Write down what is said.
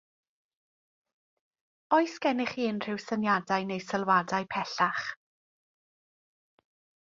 Oes gennych chi unrhyw syniadau neu sylwadau pellach?